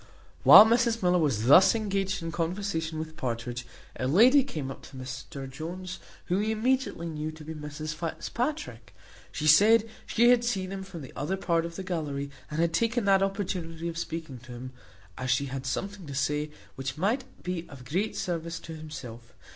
While Mrs Miller was thus engaged in conversation with Partridge, a lady came up to Mr Jones, whom he immediately knew to be Mrs Fitzpatrick. She said, she had seen him from the other part of the gallery, and had taken that opportunity of speaking to him, as she had something to say, which might be of great service to himself.